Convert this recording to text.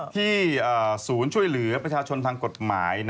ศูนย์ช่วยเหลือประชาชนทางกฎหมาย